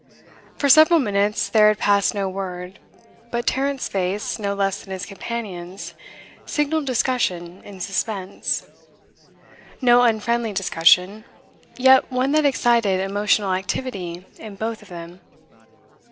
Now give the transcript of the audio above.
For several minutes there had passed no word; but Tarrant's face, no less than his companion's, signalled discussion in suspense. No unfriendly discussion, yet one that excited emotional activity in both of them.